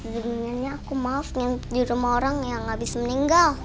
sebenernya aku maaf nginp di rumah orang yang gabisa meninggal